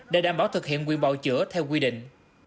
để đảm bảo thực hiện quyền bầu chữa theo quy định